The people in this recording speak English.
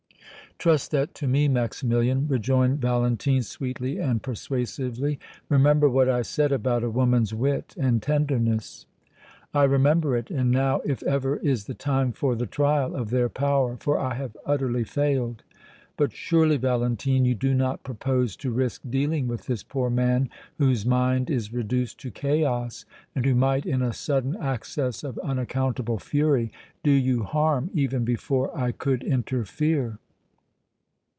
"Trust that to me, Maximilian," rejoined Valentine, sweetly and persuasively. "Remember what I said about a woman's wit and tenderness." "I remember it, and now, if ever, is the time for the trial of their power, for I have utterly failed. But, surely, Valentine, you do not propose to risk dealing with this poor man whose mind is reduced to chaos and who might, in a sudden access of unaccountable fury, do you harm even before I could interfere?"